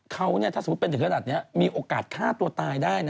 เขาถ้าสมมุติเป็นถึงขนาดนี้มีโอกาสฆ่าตัวตายได้นะ